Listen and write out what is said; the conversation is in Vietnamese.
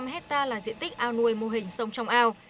năm hectare là diện tích ao nuôi mô hình sông trong ao